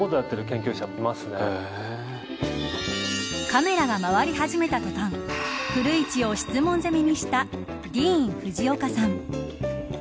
カメラが回り始めた途端古市を質問攻めにしたディーン・フジオカさん。